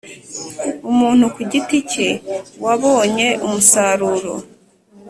Umuntu ku giti cye wabonye umusaruro